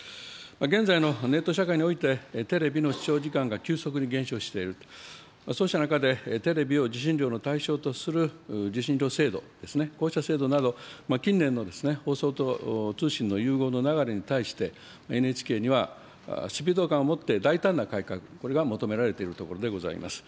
現在のネット社会において、テレビの視聴時間が急速に減少していると、そうした中で、テレビを受信料の対象とする受信料制度ですね、こうした制度など、近年の放送と通信の融合の流れに対して、ＮＨＫにはスピード感を持って、大胆な改革、これが求められているところでございます。